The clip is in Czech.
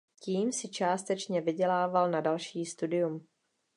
Tím si částečně vydělával na další studium.